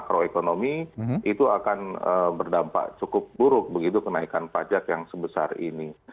pro ekonomi itu akan berdampak cukup buruk begitu kenaikan pajak yang sebesar ini